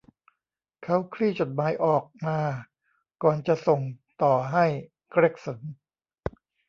เขาคลี่จดหมายออกมาก่อนจะส่งต่อให้เกร็กสัน